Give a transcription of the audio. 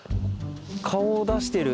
顔を出してる。